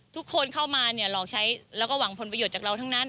ทุกคนเข้ามาหลอกใช้แล้วก็หวังผลประโยชน์จากเราทั้งนั้น